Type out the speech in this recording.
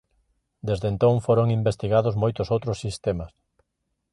Desde entón foron investigados moitos outros sistemas.